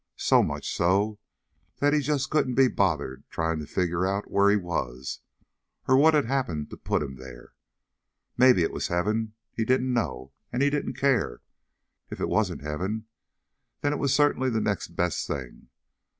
So much so that he just couldn't be bothered trying to figure out where he was, or what had happened to put him there. Maybe it was Heaven. He didn't know, and he didn't care. If it wasn't Heaven, then it was certainly the next best thing.